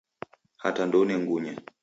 Hata ndoune ngunya.